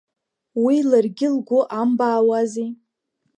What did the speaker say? Уи ларгьы лгәы амбаауази…